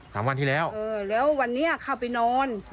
สามวันที่แล้วเออแล้ววันนี้เข้าไปนอน